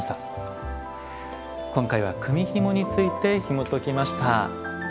今回は「組みひも」についてひもときました。